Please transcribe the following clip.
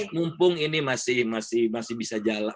mumpung ini masih bisa jalan